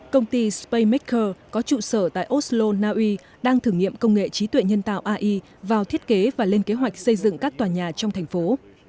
công ty spamaker có trụ sở tại oslo naui đang thử nghiệm công nghệ trí tuệ nhân tạo ai vào thiết kế và lên kế hoạch xây dựng các tòa nhà trong thành phố